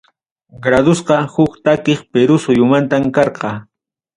Gradosqa huk takiq Perú suyumantam karqa.